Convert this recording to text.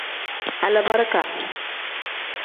Alibarika.